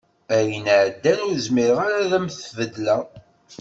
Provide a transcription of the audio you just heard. Ayen iɛeddan ur zmireɣ ara ad am-t-tbeddleɣ